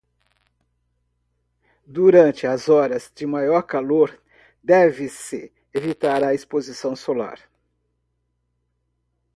Durante as horas de maior calor, deve-se evitar a exposição solar.